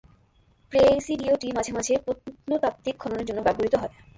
প্রেসিডিওটি মাঝে মাঝে প্রত্নতাত্ত্বিক খননের জন্য ব্যবহৃত হয়।